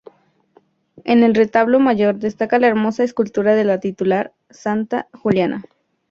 En el retablo mayor destaca la hermosa escultura de la titular, Santa Juliana.